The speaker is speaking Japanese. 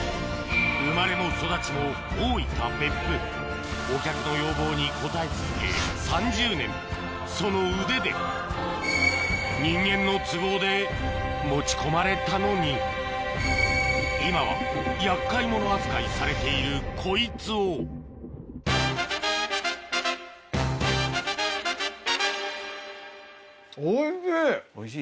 生まれも育ちも大分・別府お客の要望に応え続け３０年その腕で人間の都合で持ち込まれたのに今は厄介者扱いされているこいつをおいしい！